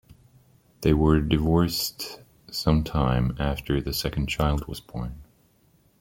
They were divorced sometime after the second child was born.